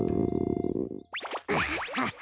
アハハハ。